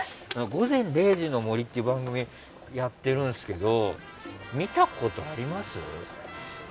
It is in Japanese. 「午前０時の森」という番組やってるんですけど見たことあります？